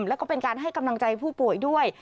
แล้วก็เป็นการให้กำลังใจผู้ป่วยด้วย